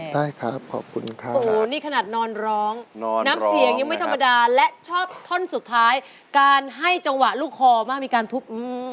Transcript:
และก็ได้ยินผ่านสุดท้ายการให้จังหวะลูกคอมีการทุบ